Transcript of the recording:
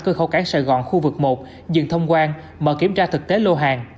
trong khâu cảng sài gòn khu vực một dựng thông quan mở kiểm tra thực tế lô hàng